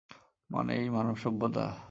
মানে, এই মানব সভ্যতা?